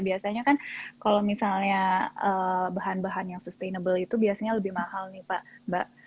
biasanya kan kalau misalnya bahan bahan yang sustainable itu biasanya lebih mahal nih pak